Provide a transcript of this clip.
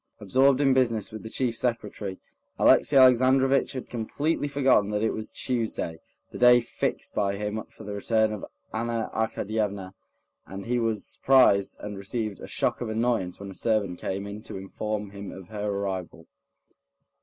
Absorbed in business with the chief secretary, Alexey Alexandrovitch had completely forgotten that it was Tuesday, the day fixed by him for the return of Anna Arkadyevna, and he was surprised and received a shock of annoyance when a servant came in to inform him of her arrival.